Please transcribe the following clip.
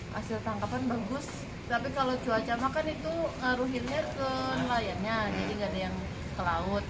hasil tangkapan bagus tapi kalau cuaca makan itu ngaruhinnya ke nelayannya jadi nggak ada yang ke laut